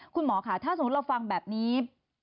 คุณหมอค่ะถ้าสมมุติเราฟังแบบนี้